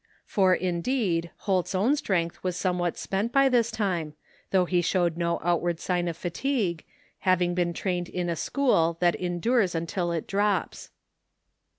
For, indeed, Holt's own strength was somewhat spent by this time, though he showed no outward sign of fatigue, having been trained in a school that endures tmtil it drops.